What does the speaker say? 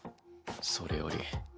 それより。